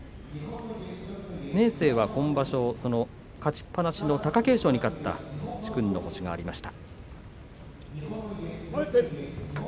明生は今場所勝ちっぱなしの貴景勝に勝った殊勲の星がありました。